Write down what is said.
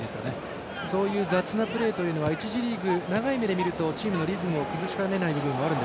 そういう雑なプレーは１次リーグ長い目で見るとチームのリズムを崩しかねないと。